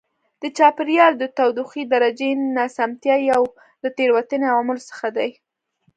د چاپېریال د تودوخې درجې ناسمتیا یو له تېروتنې عواملو څخه دی.